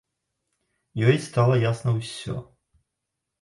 Ёй стала ясна ўсё.